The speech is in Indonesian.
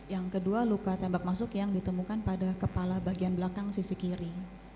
yang kedua luka tembak masuk yang ditemukan pada kepala bagian belakang sisi kiri